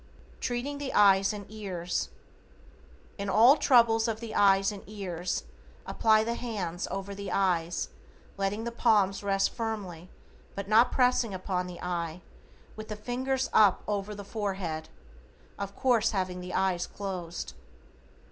=TREATING THE EYES AND EARS:= In all troubles of the eyes and ears apply the hands over the eyes, letting the palms rest firmly but not pressingly upon the eye, with the fingers up over the forehead, of course having the eyes closed.